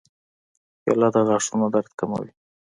کېله د غاښونو درد کموي.